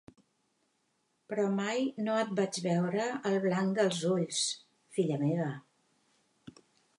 Però mai no et vaig veure el blanc dels ulls, filla meva.